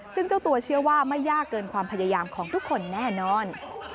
ซึ่งเจ้าตัวเชื่อว่าไม่ยากเกินความพยายามของทุกคนแน่นอน